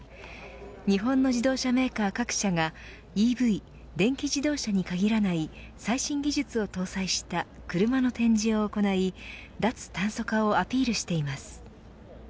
日本の自動車メーカー各社がＥＶ電気自動車に限らない最新技術を搭載した車の展示を行い脱炭素化をアピールしています。